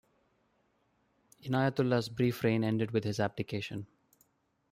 Inayatullah's brief reign ended with his abdication.